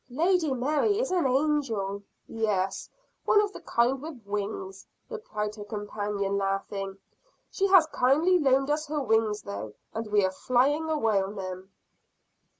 "Lady Mary is an angel!" "Yes, one of the kind with wings," replied her companion laughing. "She has kindly loaned us her wings though and we are flying away on them."